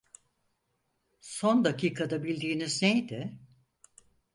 Son dakikada bildiğiniz neydi?